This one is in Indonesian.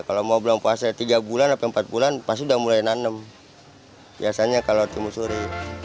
kalau mau belum puasa tiga bulan atau empat bulan pasti udah mulai nanem biasanya kalau timun suri